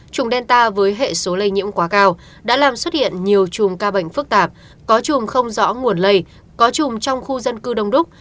trùng delta với hệ số lây nhiễm quá cao đã làm xuất hiện nhiều chùm ca bệnh phức tạp có chùm không rõ nguồn lây có chùm trong khu dân cư đông đúc